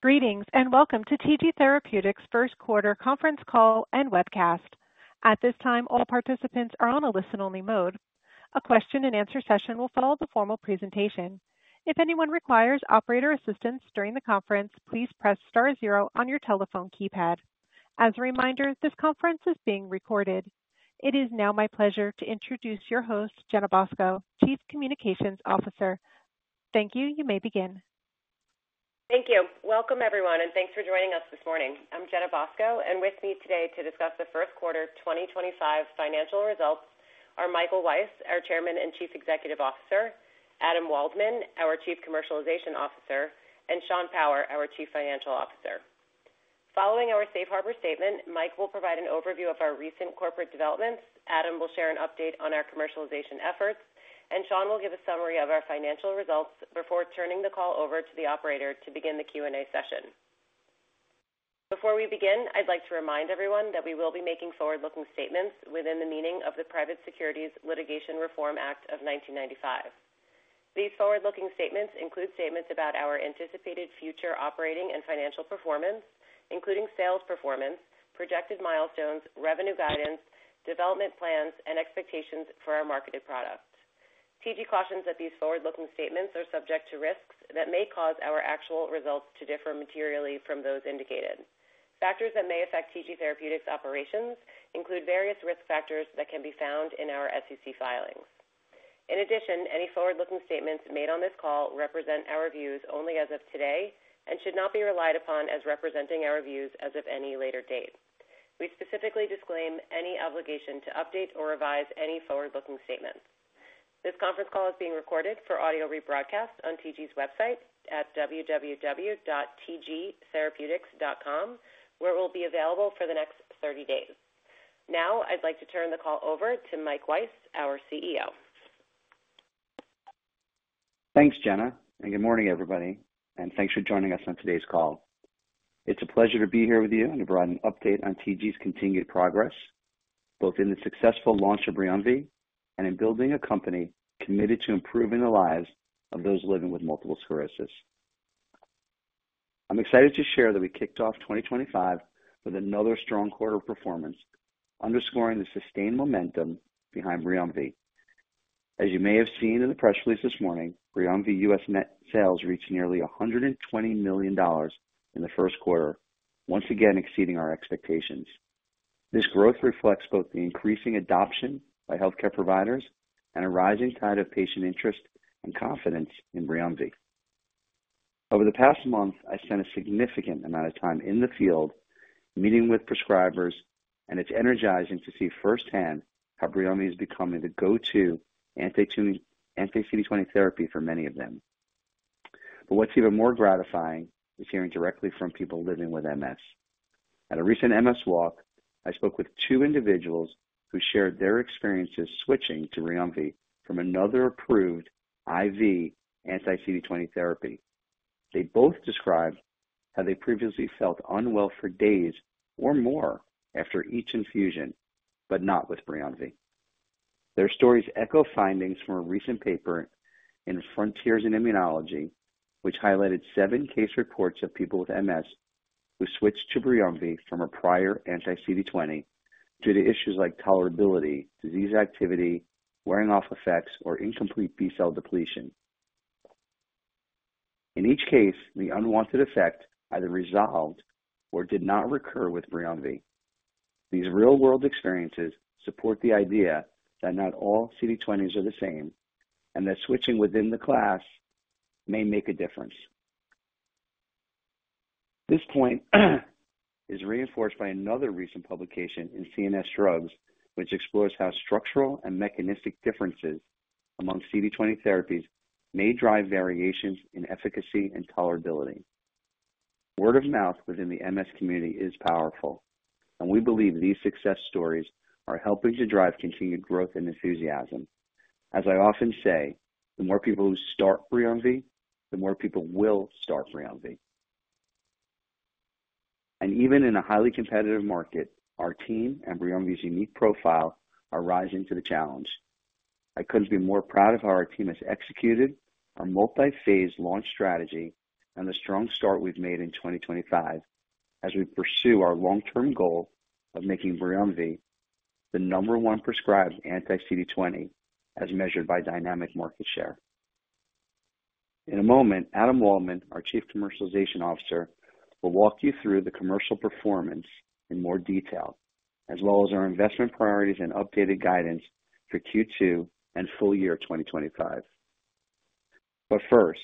Greetings and welcome to TG Therapeutics' Q1 conference call and webcast. At this time, all participants are on a listen-only mode. A question-and-answer session will follow the formal presentation. If anyone requires operator assistance during the conference, please press star zero on your telephone keypad. As a reminder, this conference is being recorded. It is now my pleasure to introduce your host, Jenna Bosco, Chief Communications Officer. Thank you. You may begin. Thank you. Welcome, everyone, and thanks for joining us this morning. I'm Jenna Bosco, and with me today to discuss the Q1 2025 financial results are Michael Weiss, our Chairman and Chief Executive Officer, Adam Waldman, our Chief Commercialization Officer, and Sean Power, our Chief Financial Officer. Following our Safe Harbor statement, Mike will provide an overview of our recent corporate developments, Adam will share an update on our commercialization efforts, and Sean will give a summary of our financial results before turning the call over to the operator to begin the Q&A session. Before we begin, I'd like to remind everyone that we will be making forward-looking statements within the meaning of the Private Securities Litigation Reform Act of 1995. These forward-looking statements include statements about our anticipated future operating and financial performance, including sales performance, projected milestones, revenue guidance, development plans, and expectations for our marketed product. TG cautions that these forward-looking statements are subject to risks that may cause our actual results to differ materially from those indicated. Factors that may affect TG Therapeutics' operations include various risk factors that can be found in our SEC filings. In addition, any forward-looking statements made on this call represent our views only as of today and should not be relied upon as representing our views as of any later date. We specifically disclaim any obligation to update or revise any forward-looking statements. This conference call is being recorded for audio rebroadcast on TG's website at www.tgtherapeutics.com, where it will be available for the next 30 days. Now, I'd like to turn the call over to Mike Weiss, our CEO. Thanks, Jenna, and good morning, everybody, and thanks for joining us on today's call. It's a pleasure to be here with you and to provide an update on TG's continued progress, both in the successful launch of BRIUMVI and in building a company committed to improving the lives of those living with multiple sclerosis. I'm excited to share that we kicked off 2025 with another strong quarter of performance, underscoring the sustained momentum behind BRIUMVI. As you may have seen in the press release this morning, BRIUMVI U.S. sales reached nearly $120 million in the Q1, once again exceeding our expectations. This growth reflects both the increasing adoption by healthcare providers and a rising tide of patient interest and confidence in BRIUMVI. Over the past month, I spent a significant amount of time in the field meeting with prescribers, and it's energizing to see firsthand how BRIUMVI is becoming the go-to anti-CD20 therapy for many of them. What's even more gratifying is hearing directly from people living with MS. At a recent MS walk, I spoke with two individuals who shared their experiences switching to BRIUMVI from another approved IV anti-CD20 therapy. They both described how they previously felt unwell for days or more after each infusion, but not with BRIUMVI. Their stories echo findings from a recent paper in Frontiers in Immunology, which highlighted seven case reports of people with MS who switched to BRIUMVI from a prior anti-CD20 due to issues like tolerability, disease activity, wearing-off effects, or incomplete B-cell depletion. In each case, the unwanted effect either resolved or did not recur with BRIUMVI. These real-world experiences support the idea that not all CD20s are the same and that switching within the class may make a difference. This point is reinforced by another recent publication in CNS Drugs, which explores how structural and mechanistic differences among CD20 therapies may drive variations in efficacy and tolerability. Word of mouth within the MS community is powerful, and we believe these success stories are helping to drive continued growth and enthusiasm. As I often say, the more people who start BRIUMVI, the more people will start BRIUMVI. Even in a highly competitive market, our team and BRIUMVI's unique profile are rising to the challenge. I couldn't be more proud of how our team has executed our multi-phase launch strategy and the strong start we've made in 2025 as we pursue our long-term goal of making BRIUMVI the number one prescribed anti-CD20 as measured by dynamic market share. In a moment, Adam Waldman, our Chief Commercialization Officer, will walk you through the commercial performance in more detail, as well as our investment priorities and updated guidance for Q2 and full year 2025. First,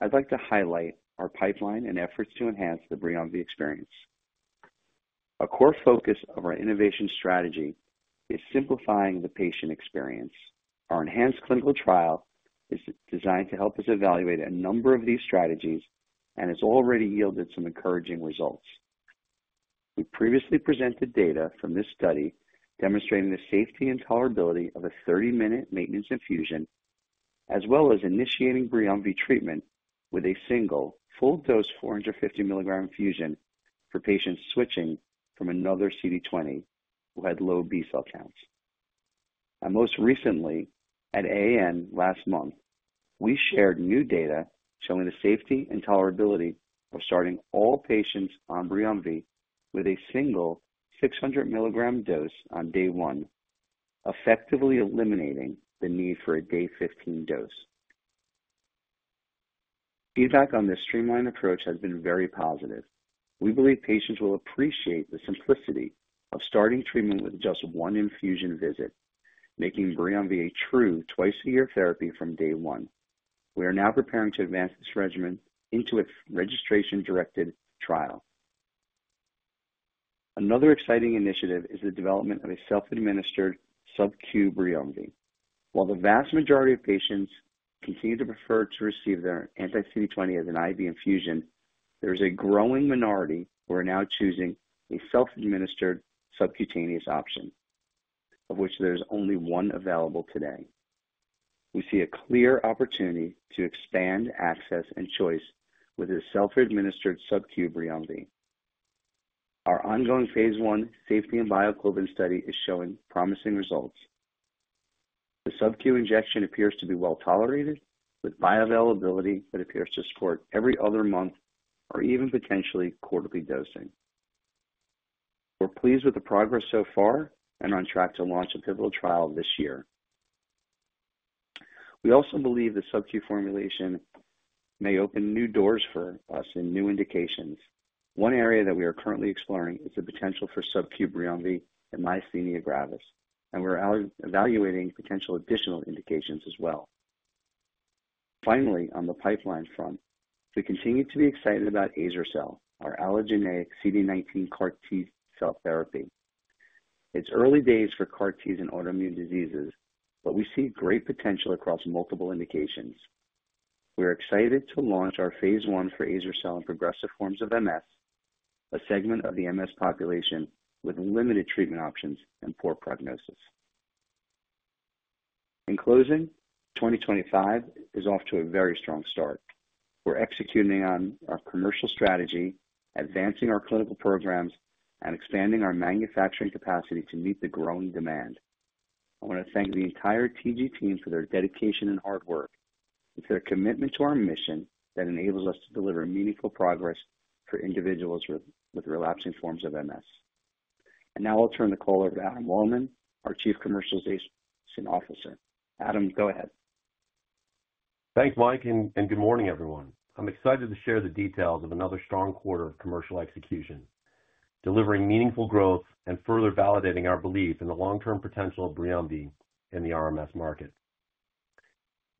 I'd like to highlight our pipeline and efforts to enhance the BRIUMVI experience. A core focus of our innovation strategy is simplifying the patient experience. Our enhanced clinical trial is designed to help us evaluate a number of these strategies and has already yielded some encouraging results. We previously presented data from this study demonstrating the safety and tolerability of a 30-minute maintenance infusion, as well as initiating BRIUMVI treatment with a single full-dose 450 milligram infusion for patients switching from another CD20 who had low B-cell counts. Most recently, at AAN last month, we shared new data showing the safety and tolerability of starting all patients on BRIUMVI with a single 600 milligram dose on day one, effectively eliminating the need for a day 15 dose. Feedback on this streamlined approach has been very positive. We believe patients will appreciate the simplicity of starting treatment with just one infusion visit, making BRIUMVI a true twice-a-year therapy from day one. We are now preparing to advance this regimen into a registration-directed trial. Another exciting initiative is the development of a self-administered sub-Q BRIUMVI. While the vast majority of patients continue to prefer to receive their anti-CD20 as an IV infusion, there is a growing minority who are now choosing a self-administered subcutaneous option, of which there is only one available today. We see a clear opportunity to expand access and choice with a self-administered sub-Q BRIUMVI. Our ongoing phase I safety and bioequivalence study is showing promising results. The sub-Q injection appears to be well tolerated, with bioavailability that appears to support every other month or even potentially quarterly dosing. We're pleased with the progress so far and on track to launch a pivotal trial this year. We also believe the sub-Q formulation may open new doors for us in new indications. One area that we are currently exploring is the potential for sub-Q BRIUMVI in myasthenia gravis, and we're evaluating potential additional indications as well. Finally, on the pipeline front, we continue to be excited about Azer-cel, our allogeneic CD19 CAR T-cell therapy. It's early days for CAR T and autoimmune diseases, but we see great potential across multiple indications. We're excited to launch our phase one for Azer-cel and progressive forms of MS, a segment of the MS population with limited treatment options and poor prognosis. In closing, 2025 is off to a very strong start. We're executing on our commercial strategy, advancing our clinical programs, and expanding our manufacturing capacity to meet the growing demand. I want to thank the entire TG team for their dedication and hard work. It's their commitment to our mission that enables us to deliver meaningful progress for individuals with relapsing forms of MS. Now I'll turn the call over to Adam Waldman, our Chief Commercialization Officer. Adam, go ahead. Thanks, Mike, and good morning, everyone. I'm excited to share the details of another strong quarter of commercial execution, delivering meaningful growth and further validating our belief in the long-term potential of BRIUMVI in the RMS market.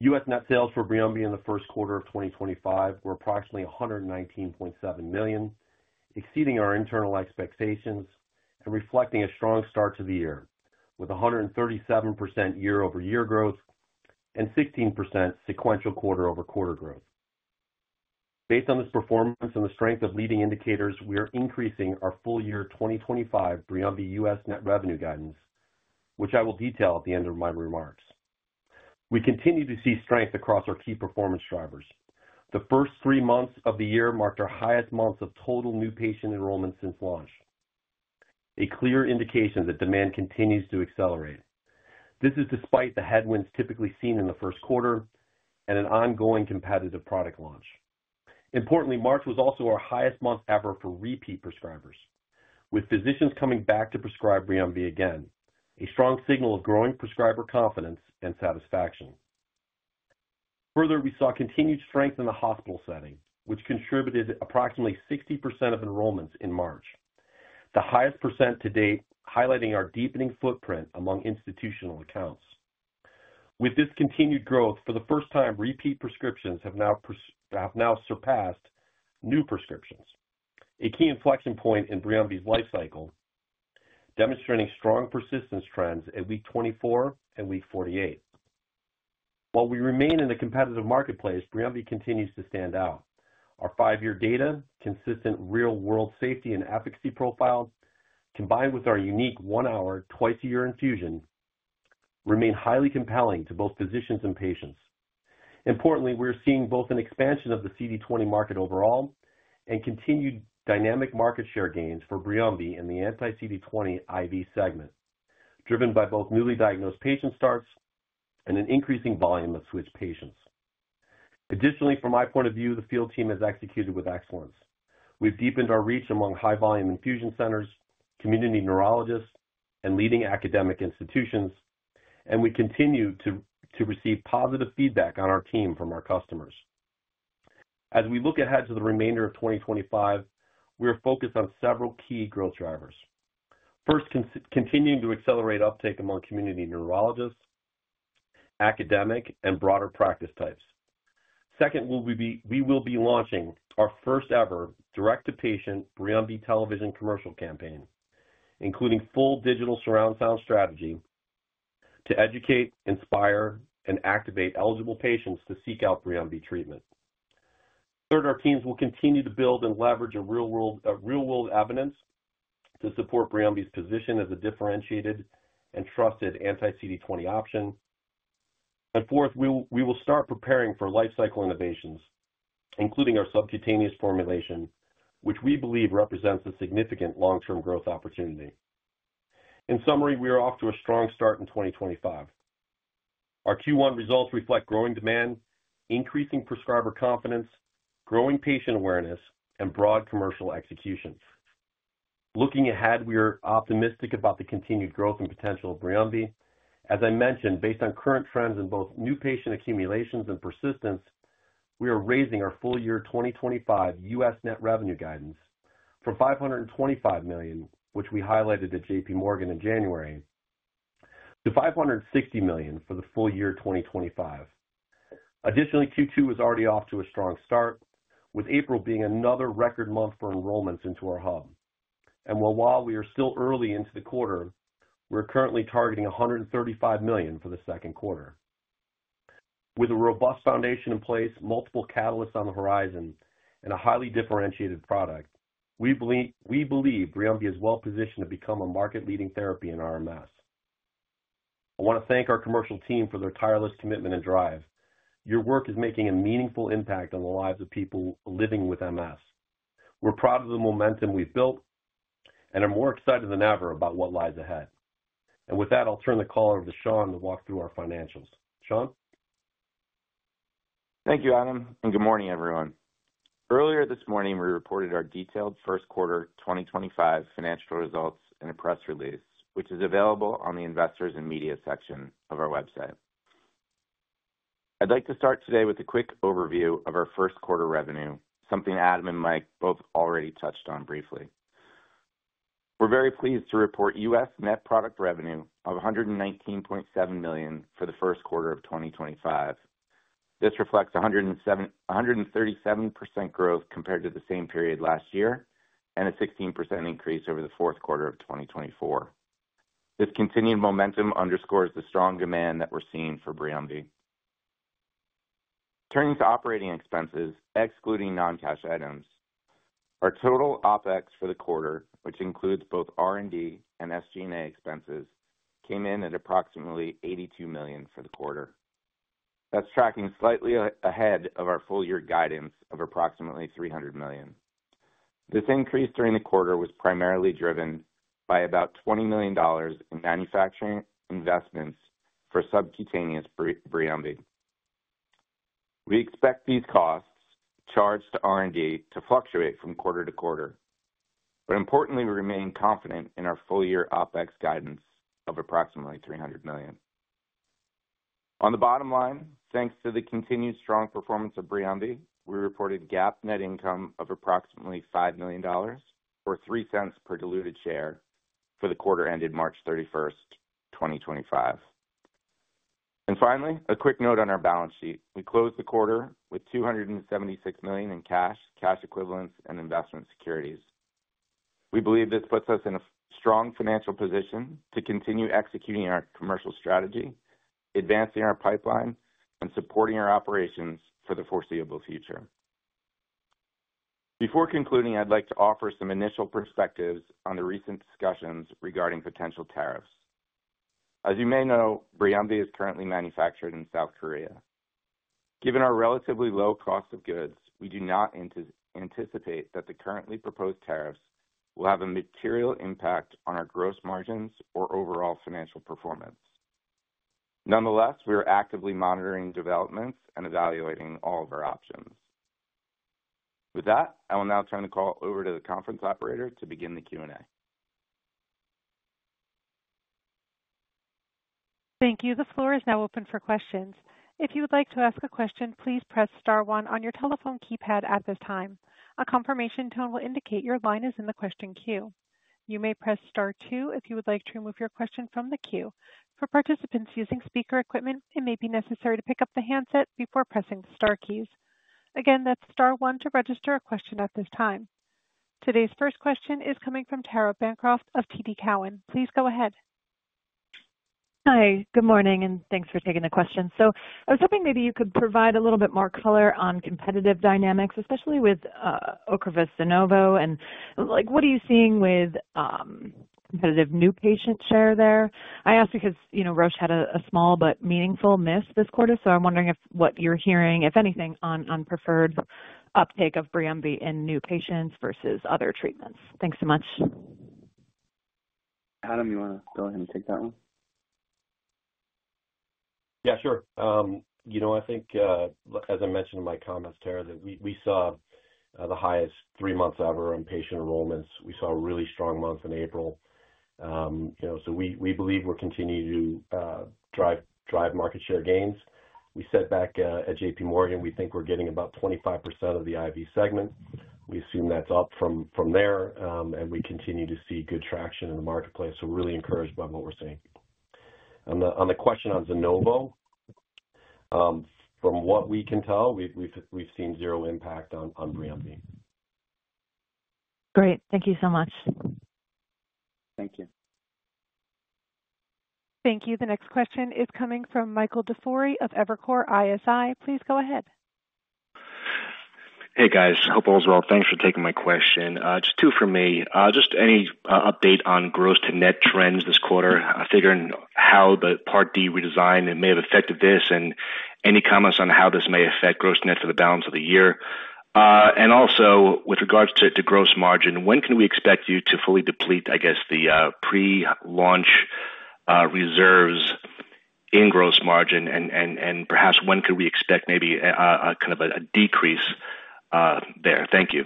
U.S. net sales for BRIUMVI in the Q1 of 2025 were approximately $119.7 million, exceeding our internal expectations and reflecting a strong start to the year with 137% year-over-year growth and 16% sequential quarter-over-quarter growth. Based on this performance and the strength of leading indicators, we are increasing our full year 2025 BRIUMVI U.S. net revenue guidance, which I will detail at the end of my remarks. We continue to see strength across our key performance drivers. The first three months of the year marked our highest months of total new patient enrollment since launch, a clear indication that demand continues to accelerate. This is despite the headwinds typically seen in the Q1 and an ongoing competitive product launch. Importantly, March was also our highest month ever for repeat prescribers, with physicians coming back to prescribe BRIUMVI again, a strong signal of growing prescriber confidence and satisfaction. Further, we saw continued strength in the hospital setting, which contributed approximately 60% of enrollments in March, the highest percent to date, highlighting our deepening footprint among institutional accounts. With this continued growth, for the first time, repeat prescriptions have now surpassed new prescriptions, a key inflection point in BRIUMVI's life cycle, demonstrating strong persistence trends at week 24 and week 48. While we remain in the competitive marketplace, BRIUMVI continues to stand out. Our five-year data, consistent real-world safety and efficacy profile, combined with our unique one-hour twice-a-year infusion, remain highly compelling to both physicians and patients. Importantly, we're seeing both an expansion of the CD20 market overall and continued dynamic market share gains for BRIUMVI in the anti-CD20 IV segment, driven by both newly diagnosed patient starts and an increasing volume of switched patients. Additionally, from my point of view, the field team has executed with excellence. We've deepened our reach among high-volume infusion centers, community neurologists, and leading academic institutions, and we continue to receive positive feedback on our team from our customers. As we look ahead to the remainder of 2025, we are focused on several key growth drivers. First, continuing to accelerate uptake among community neurologists, academic, and broader practice types. Second, we will be launching our first-ever direct-to-patient BRIUMVI television commercial campaign, including full digital surround sound strategy to educate, inspire, and activate eligible patients to seek out BRIUMVI treatment. Third, our teams will continue to build and leverage real-world evidence to support BRIUMVI's position as a differentiated and trusted anti-CD20 option. Fourth, we will start preparing for life-cycle innovations, including our subcutaneous formulation, which we believe represents a significant long-term growth opportunity. In summary, we are off to a strong start in 2025. Our Q1 results reflect growing demand, increasing prescriber confidence, growing patient awareness, and broad commercial executions. Looking ahead, we are optimistic about the continued growth and potential of BRIUMVI. As I mentioned, based on current trends in both new patient accumulations and persistence, we are raising our full year 2025 U.S. net revenue guidance from $525 million, which we highlighted at JPMorgan in January, to $560 million for the full year 2025. Additionally, Q2 was already off to a strong start, with April being another record month for enrollments into our hub. While we are still early into the quarter, we're currently targeting $135 million for the second quarter. With a robust foundation in place, multiple catalysts on the horizon, and a highly differentiated product, we believe BRIUMVI is well-positioned to become a market-leading therapy in RMS. I want to thank our commercial team for their tireless commitment and drive. Your work is making a meaningful impact on the lives of people living with MS. We're proud of the momentum we've built and are more excited than ever about what lies ahead. With that, I'll turn the call over to Sean to walk through our financials. Sean? Thank you, Adam, and good morning, everyone. Earlier this morning, we reported our detailed Q1 2025 financial results in a press release, which is available on the investors and media section of our website. I'd like to start today with a quick overview of our Q1 revenue, something Adam and Mike both already touched on briefly. We're very pleased to report U.S. net product revenue of $119.7 million for the Q1 of 2025. This reflects 137% growth compared to the same period last year and a 16% increase over the Q4 of 2024. This continued momentum underscores the strong demand that we're seeing for BRIUMVI. Turning to operating expenses, excluding non-cash items, our total OPEX for the quarter, which includes both R&D and SG&A expenses, came in at approximately $82 million for the quarter. That's tracking slightly ahead of our full year guidance of approximately $300 million. This increase during the quarter was primarily driven by about $20 million in manufacturing investments for subcutaneous BRIUMVI. We expect these costs charged to R&D to fluctuate from quarter to quarter. Importantly, we remain confident in our full year OPEX guidance of approximately $300 million. On the bottom line, thanks to the continued strong performance of BRIUMVI, we reported GAAP net income of approximately $5 million, or $0.03 per diluted share, for the quarter ended March 31, 2025. Finally, a quick note on our balance sheet. We closed the quarter with $276 million in cash, cash equivalents, and investment securities. We believe this puts us in a strong financial position to continue executing our commercial strategy, advancing our pipeline, and supporting our operations for the foreseeable future. Before concluding, I'd like to offer some initial perspectives on the recent discussions regarding potential tariffs. As you may know, BRIUMVI is currently manufactured in South Korea. Given our relatively low cost of goods, we do not anticipate that the currently proposed tariffs will have a material impact on our gross margins or overall financial performance. Nonetheless, we are actively monitoring developments and evaluating all of our options. With that, I will now turn the call over to the conference operator to begin the Q&A. Thank you. The floor is now open for questions. If you would like to ask a question, please press star one on your telephone keypad at this time. A confirmation tone will indicate your line is in the question queue. You may press star two if you would like to remove your question from the queue. For participants using speaker equipment, it may be necessary to pick up the handset before pressing the star keys. Again, that's star one to register a question at this time. Today's first question is coming from Tara Bancroft of TD Cowen. Please go ahead. Hi, good morning, and thanks for taking the question. I was hoping maybe you could provide a little bit more color on competitive dynamics, especially with Ocrevus de novo. What are you seeing with competitive new patient share there? I ask because Roche had a small but meaningful miss this quarter, so I'm wondering what you're hearing, if anything, on preferred uptake of BRIUMVI in new patients versus other treatments. Thanks so much. Adam, you want to go ahead and take that one? Yeah, sure. You know, I think, as I mentioned in my comments, Tara, that we saw the highest three months ever on patient enrollments. We saw a really strong month in April. We believe we're continuing to drive market share gains. We said back at JPMorgan, we think we're getting about 25% of the IV segment. We assume that's up from there, and we continue to see good traction in the marketplace. We are really encouraged by what we're seeing. On the question on de novo, from what we can tell, we've seen zero impact on BRIUMVI. Great. Thank you so much. Thank you. Thank you. The next question is coming from Michael DiFiore of Evercore ISI. Please go ahead. Hey, guys. Hope all is well. Thanks for taking my question. Just two for me. Just any update on gross to net trends this quarter, figuring how the Part D redesign may have affected this, and any comments on how this may affect gross to net for the balance of the year. Also, with regards to gross margin, when can we expect you to fully deplete, I guess, the pre-launch reserves in gross margin, and perhaps when could we expect maybe a kind of a decrease there? Thank you.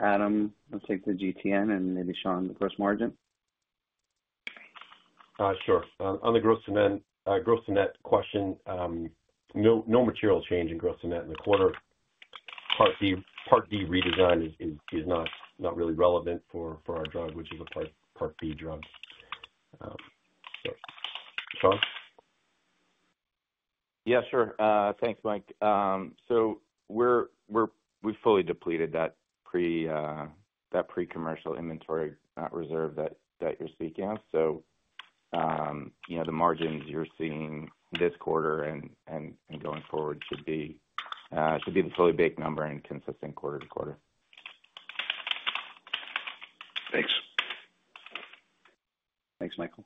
Adam, I'll take the GTN, and maybe Sean on the gross margin. Sure. On the gross to net question, no material change in gross to net in the quarter. Part D redesign is not really relevant for our drug, which is a Part B drug. Sean? Yeah, sure. Thanks, Mike. We have fully depleted that pre-commercial inventory reserve that you are speaking of. The margins you are seeing this quarter and going forward should be the fully baked number and consistent quarter-to-quarter. Thanks. Thanks, Michael.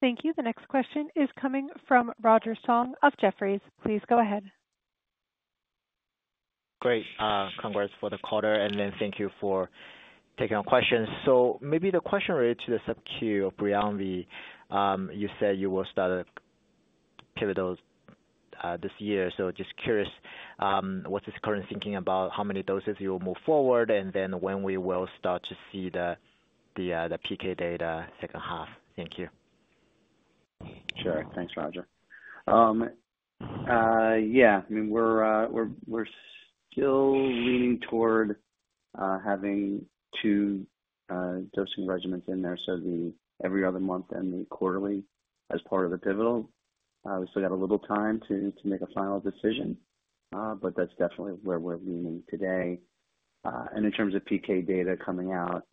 Thank you. The next question is coming from Roger Song of Jefferies. Please go ahead. Great. Congrats for the quarter, and thank you for taking our questions. Maybe the question related to the sub-Q of BRIUMVI, you said you will start a pivotal this year. Just curious, what's the current thinking about how many doses you will move forward, and when we will start to see the PK data, second half? Thank you. Sure. Thanks, Roger. Yeah. I mean, we're still leaning toward having two dosing regimens in there, so every other month and the quarterly as part of the pivotal. We still got a little time to make a final decision, but that's definitely where we're leaning today. In terms of PK data coming out,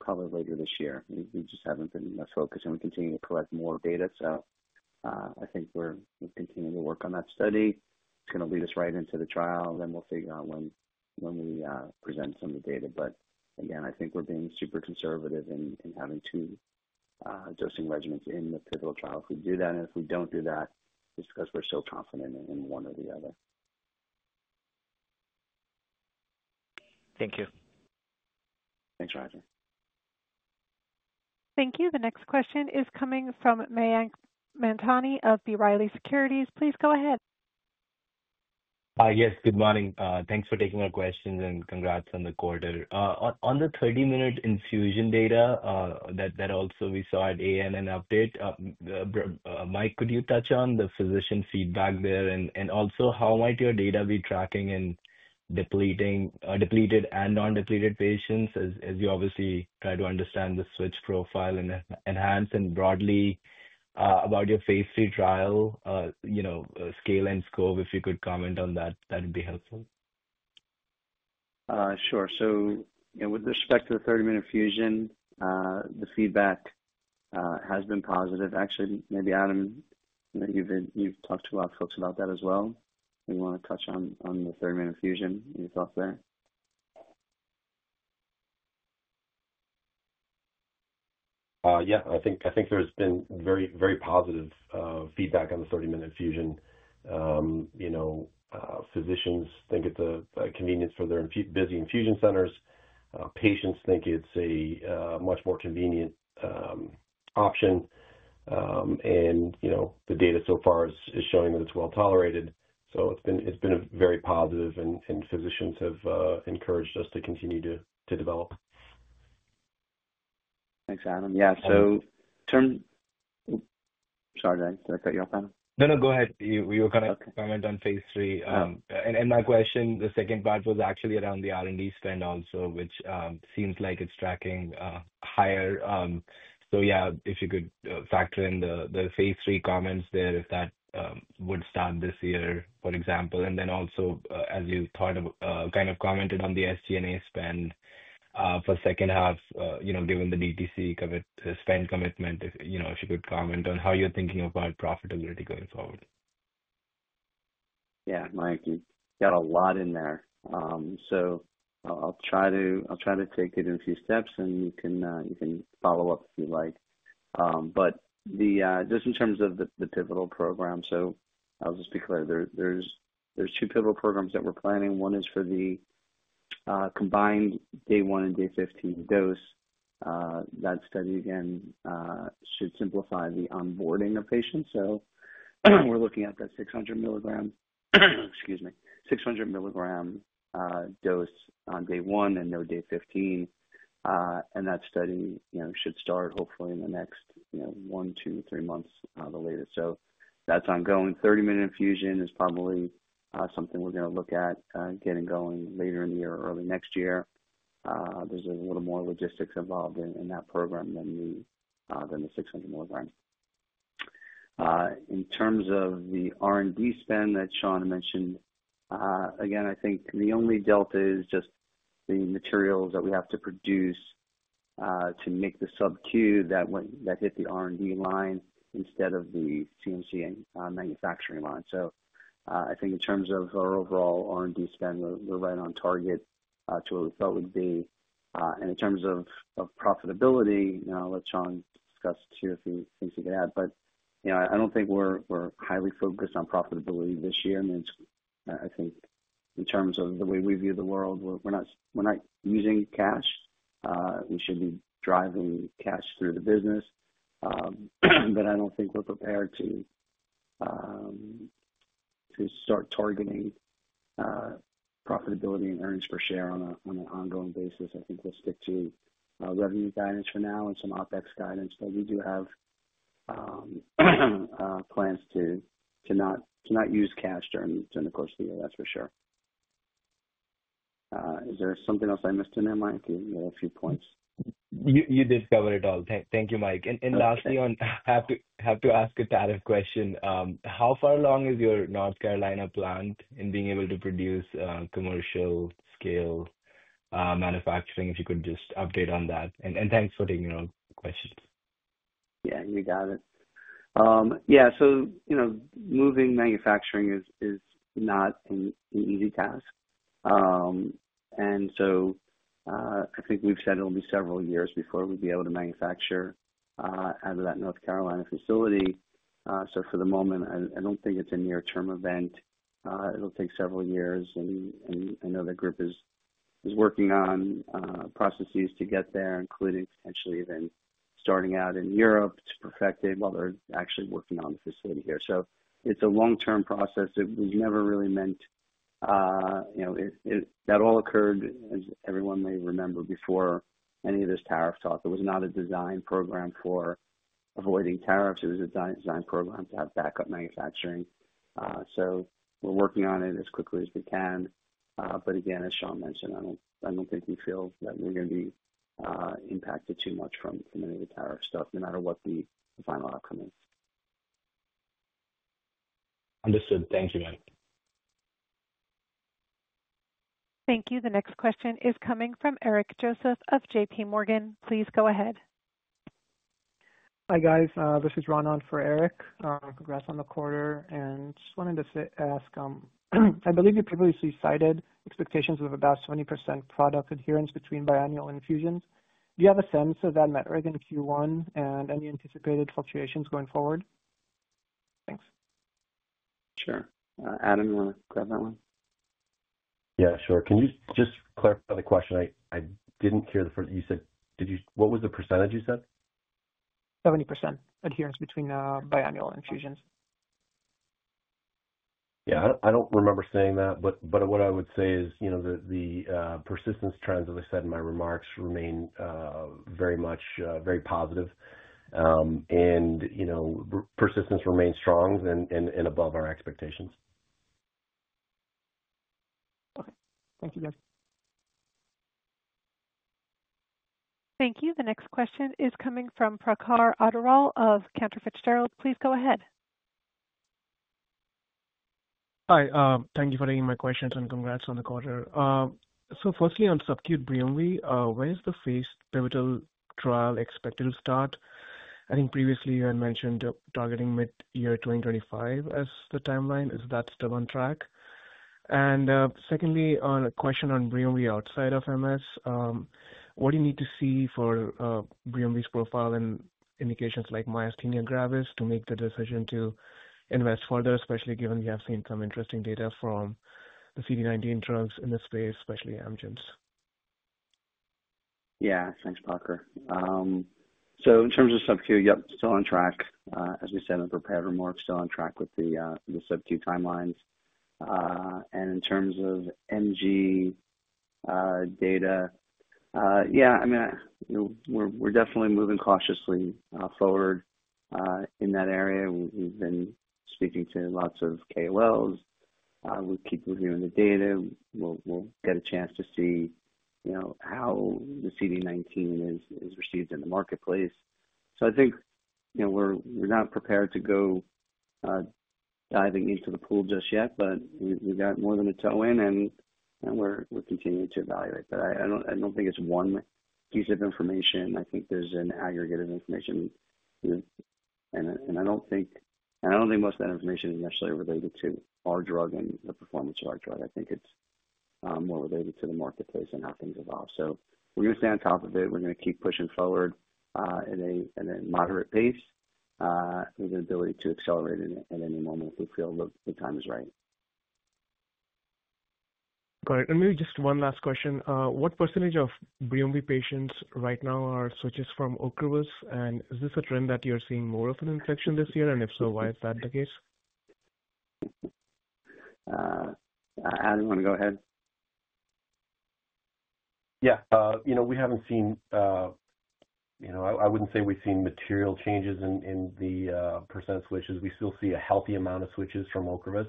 probably later this year. We just haven't been as focused. We continue to collect more data. I think we're continuing to work on that study. It's going to lead us right into the trial, then we'll figure out when we present some of the data. Again, I think we're being super conservative in having two dosing regimens in the pivotal trial. If we do that, and if we don't do that, it's because we're still confident in one or the other. Thank you. Thanks, Roger. Thank you. The next question is coming from Mayank Mamtani of B. Riley Securities. Please go ahead. Yes, good morning. Thanks for taking our questions, and congrats on the quarter. On the 30-minute infusion data that also we saw at AAN update, Mike, could you touch on the physician feedback there? Also, how might your data be tracking in depleted and non-depleted patients as you obviously try to understand the switch profile and enhance and broadly about your phase three trial scale and scope? If you could comment on that, that would be helpful. Sure. With respect to the 30-minute infusion, the feedback has been positive. Actually, maybe, Adam, you've talked to a lot of folks about that as well. You want to touch on the 30-minute infusion, your thoughts there? Yeah. I think there's been very positive feedback on the 30-minute infusion. Physicians think it's a convenience for their busy infusion centers. Patients think it's a much more convenient option. The data so far is showing that it's well tolerated. It has been very positive, and physicians have encouraged us to continue to develop. Thanks, Adam. Yeah. In terms—sorry, guys. Did I cut you off, Adam? No, no. Go ahead. You were kind of comment on phase three. My question, the second part was actually around the R&D spend also, which seems like it's tracking higher. Yeah, if you could factor in the phase three comments there, if that would start this year, for example. Also, as you kind of commented on the SG&A spend for the second half, given the DTC spend commitment, if you could comment on how you're thinking about profitability going forward. Yeah, Mike, you got a lot in there. I'll try to take it in a few steps, and you can follow up if you like. Just in terms of the pivotal program, I'll just be clear. There are two pivotal programs that we're planning. One is for the combined day one and day 15 dose. That` study, again, should simplify the onboarding of patients. We're looking at the 600 mg—excuse me—600 mg dose on day one and no day 15. That study should start, hopefully, in the next one, two, three months at the latest. That's ongoing. Thirty-minute infusion is probably something we're going to look at getting going later in the year or early next year. There's a little more logistics involved in that program than the 600 mg. In terms of the R&D spend that Sean mentioned, again, I think the only delta is just the materials that we have to produce to make the sub-Q that hit the R&D line instead of the CMC manufacturing line. I think in terms of our overall R&D spend, we're right on target to what we thought we'd be. In terms of profitability, now let Sean discuss two or three things he could add. I don't think we're highly focused on profitability this year. I mean, I think in terms of the way we view the world, we're not using cash. We should be driving cash through the business. I don't think we're prepared to start targeting profitability and earnings per share on an ongoing basis. I think we'll stick to revenue guidance for now and some OPEX guidance. We do have plans to not use cash during the course of the year, that's for sure. Is there something else I missed in there, Mike? You had a few points. You did cover it all. Thank you, Mike. Lastly, I have to ask a tariff question. How far along is your North Carolina plant in being able to produce commercial-scale manufacturing? If you could just update on that. Thank you for taking our questions. Yeah, you got it. Yeah. Moving manufacturing is not an easy task. I think we've said it'll be several years before we'll be able to manufacture out of that North Carolina facility. For the moment, I don't think it's a near-term event. It'll take several years. I know the group is working on processes to get there, including potentially even starting out in Europe to perfect it while they're actually working on the facility here. It's a long-term process. It was never really meant that all occurred, as everyone may remember, before any of this tariff talk. It was not a design program for avoiding tariffs. It was a design program to have backup manufacturing. We're working on it as quickly as we can. As Sean mentioned, I don't think we feel that we're going to be impacted too much from any of the tariff stuff, no matter what the final outcome is. Understood. Thank you, Mike. Thank you. The next question is coming from Eric Joseph of JPMorgan. Please go ahead. Hi, guys. This is Ronan for Eric. Congrats on the quarter. I just wanted to ask, I believe you previously cited expectations of about 70% product adherence between biannual infusions. Do you have a sense of that metric in Q1 and any anticipated fluctuations going forward? Thanks. Sure. Adam, you want to grab that one? Yeah, sure. Can you just clarify the question? I didn't hear the first. You said what was the percentage you said? 70% adherence between biannual infusions. Yeah. I do not remember saying that. What I would say is the persistence trends, as I said in my remarks, remain very much very positive. Persistence remains strong and above our expectations. Okay. Thank you, guys. Thank you. The next question is coming from Prakhar Agrawal of Cantor Fitzgerald. Please go ahead. Hi. Thank you for taking my questions and congrats on the quarter. Firstly, on sub-Q BRIUMVI, when is the phase pivotal trial expected to start? I think previously you had mentioned targeting mid-year 2025 as the timeline. Is that still on track? Secondly, a question on BRIUMVI outside of MS, what do you need to see for BRIUMVI's profile and indications like myasthenia gravis to make the decision to invest further, especially given we have seen some interesting data from the CD19 drugs in this space, especially Amgen's? Yeah. Thanks, Prakhar. In terms of sub-Q, yep, still on track. As we said in the prepared remarks, still on track with the sub-Q timelines. In terms of MG data, yeah, I mean, we're definitely moving cautiously forward in that area. We've been speaking to lots of KOLs. We'll keep reviewing the data. We'll get a chance to see how the CD19 is received in the marketplace. I think we're not prepared to go diving into the pool just yet, but we've got more than a toe in, and we're continuing to evaluate. I don't think it's one piece of information. I think there's an aggregate of information. I don't think most of that information is necessarily related to our drug and the performance of our drug. I think it's more related to the marketplace and how things evolve. We're going to stay on top of it. We're going to keep pushing forward at a moderate pace. We have the ability to accelerate it at any moment if we feel the time is right. Got it. Maybe just one last question. What percentage of BRIUMVI patients right now are switches from Ocrevus? Is this a trend that you're seeing more of an inflection this year? If so, why is that the case? Adam, you want to go ahead? Yeah. We have not seen—I would not say we have seen material changes in the % switches. We still see a healthy amount of switches from Ocrevus.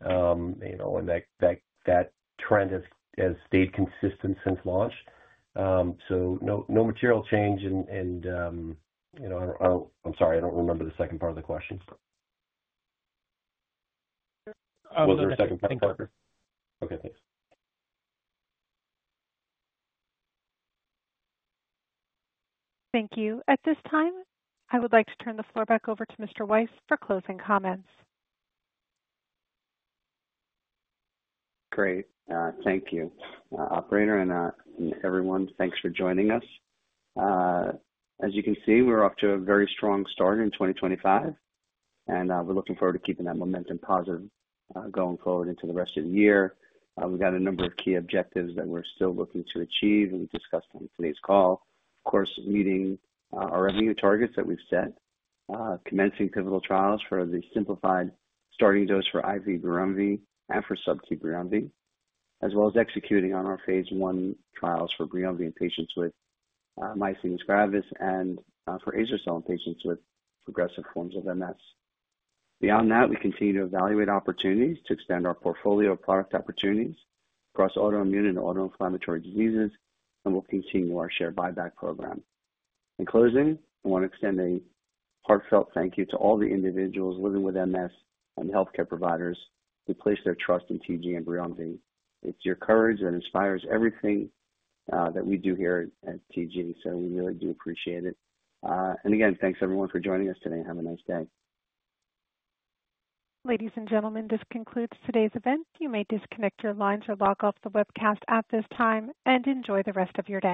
That trend has stayed consistent since launch. No material change. I am sorry, I do not remember the second part of the question. Was there a second part, Prakhar? Okay. Thanks. Thank you. At this time, I would like to turn the floor back over to Mr. Weiss for closing comments. Great. Thank you, Operator, and everyone. Thanks for joining us. As you can see, we're off to a very strong start in 2025. We are looking forward to keeping that momentum positive going forward into the rest of the year. We've got a number of key objectives that we're still looking to achieve, and we discussed them in today's call. Of course, meeting our revenue targets that we've set, commencing pivotal trials for the simplified starting dose for IV BRIUMVI and for subcutaneous BRIUMVI, as well as executing on our phase I trials for BRIUMVI in patients with myasthenia gravis and for Azercel in patients with progressive forms of MS. Beyond that, we continue to evaluate opportunities to extend our portfolio of product opportunities across autoimmune and autoinflammatory diseases, and we'll continue our share buyback program. In closing, I want to extend a heartfelt thank you to all the individuals living with MS and healthcare providers who place their trust in TG and BRIUMVI. It's your courage that inspires everything that we do here at TG. We really do appreciate it. Again, thanks everyone for joining us today. Have a nice day. Ladies and gentlemen, this concludes today's event. You may disconnect your lines or log off the webcast at this time and enjoy the rest of your day.